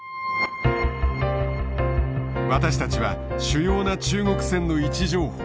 私たちは主要な中国船の位置情報